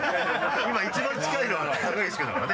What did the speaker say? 今一番近いのは高岸君だからね。